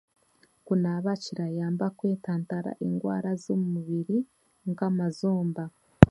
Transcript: Kunaaba kirayamba kwetantara endwaara z'omubiri nk'amazomba.